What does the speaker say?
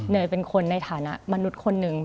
เป็นคนในฐานะมนุษย์คนหนึ่ง